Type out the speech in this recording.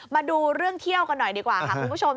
มาดูเรื่องเที่ยวกันหน่อยดีกว่าค่ะคุณผู้ชม